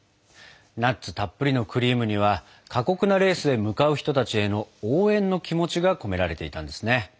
ナッツたっぷりのクリームには過酷なレースへ向かう人たちへの応援の気持ちが込められていたんですね。